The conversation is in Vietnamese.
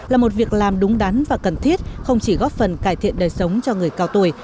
là một việc làm đúng đắn và cần thiết không chỉ góp phần cải thiện đời sống cho người cao tuổi